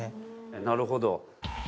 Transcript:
なるほど。